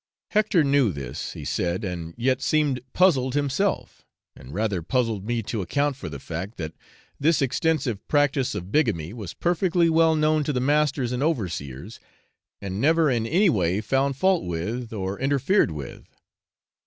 Hector knew this, he said, and yet seemed puzzled himself, and rather puzzled me to account for the fact, that this extensive practice of bigamy was perfectly well known to the masters and overseers, and never in any way found fault with, or interfered with.